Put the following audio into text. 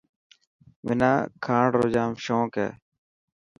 منا کاڻ رو جام شونڪ هي.